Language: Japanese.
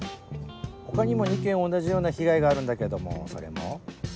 他にも２件同じような被害があるんだけどもそれも？